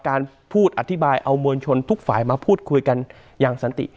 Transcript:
การพูดอธิบายเอามวลชนทุกฝ่ายมาพูดคุยกันอย่างสันติ